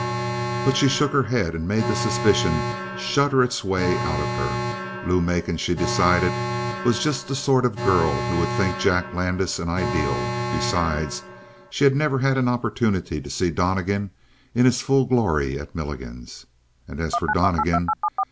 But she shook her head and made the suspicion shudder its way out of her. Lou Macon, she decided, was just the sort of girl who would think Jack Landis an ideal. Besides, she had never had an opportunity to see Donnegan in his full glory at Milligan's. And as for Donnegan?